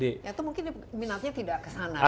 ya itu mungkin minatnya tidak ke sana kan